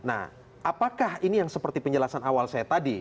apakah ini seperti penjelasan awal saya tadi